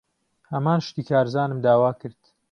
ھەمان شتی کارزانم داوا کرد.